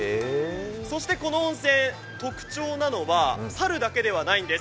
そしてこの温泉、特徴なのは、猿だけではないんです。